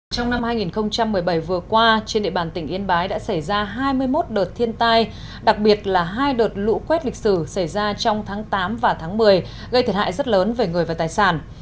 trong năm hai nghìn một mươi bảy vừa qua trên địa bàn tỉnh yên bái đã xảy ra hai mươi một đợt thiên tai đặc biệt là hai đợt lũ quét lịch sử xảy ra trong tháng tám và tháng một mươi gây thiệt hại rất lớn về người và tài sản